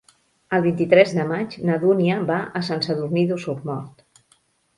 El vint-i-tres de maig na Dúnia va a Sant Sadurní d'Osormort.